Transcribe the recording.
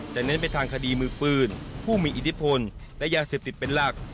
เน้นไปทางคดีมือปืนผู้มีอิทธิพลและยาเสพติดเป็นหลัก